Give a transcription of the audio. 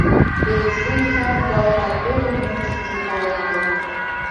Элексей Эчан идалыкат пеле мӧҥгышкыжӧ толын огыл.